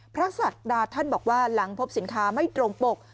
ศักดาท่านบอกว่าหลังพบสินค้าไม่ตรงปก